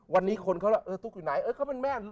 วันนี้คนเขาล่ะเออตุ๊กอยู่ไหนเออเขาเป็นแม่